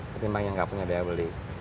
ketimbang yang nggak punya daya beli